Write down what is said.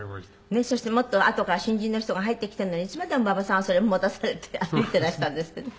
そしてもっとあとから新人の人が入ってきてるのにいつまでも馬場さんはそれを持たされて歩いていらしたんですってね。